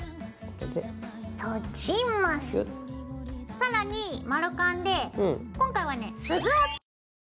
さらに丸カンで今回はね鈴を付けます。